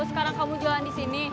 sekarang kamu jalan di sini